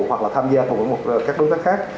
hoặc là tham gia cùng các đối tác khác